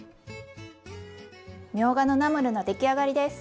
みょうがのナムルの出来上がりです。